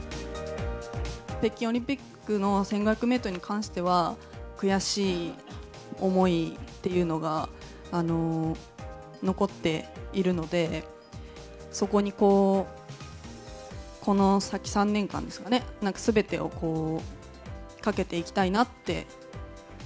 北京オリンピックの１５００メートルに関しては、悔しい思いっていうのが残っているので、そこにこの先３年間ですかね、すべてをかけていきたいなって。